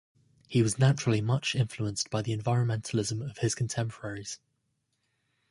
He was naturally much influenced by the environmentalism of his contemporaries.